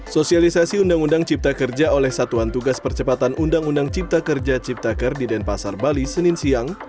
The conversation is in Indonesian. sosialisasi undang undang cipta kerja oleh satuan tugas percepatan undang undang cipta kerja cipta kerja di denpasar bali senin siang